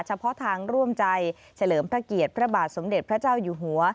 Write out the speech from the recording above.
เฉพาะทางร่วมใจเฉลิมพระเกียรติพระบาทสมเด็จพระเจ้าอยู่หัว